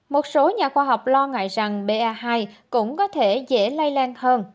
một số nhà khoa học lo ngại rằng ba hai cũng có thể dễ lây lan hơn